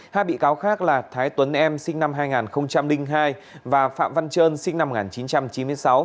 hai bị cáo khác là thái tuấn em sinh năm hai nghìn hai và phạm văn trơn sinh năm một nghìn chín trăm chín mươi sáu